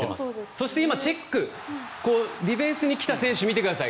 そして、チェックディフェンスに来た選手を見てください。